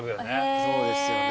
そうですよね。